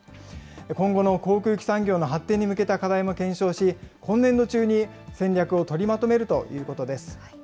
今後の航空機産業の発展に向けた課題も検証し、今年度中に戦略を取りまとめるということです。